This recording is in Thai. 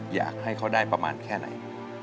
อยากให้เขาได้ประมาณแค่ไหน